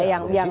iya komisi a